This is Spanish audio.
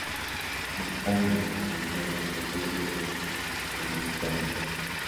Antaño su nombre era "Diócesis de Comayagua".